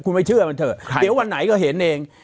คุณไม่เชื่อมันเถอะเดี๋ยววันไหนก็เห็นเอง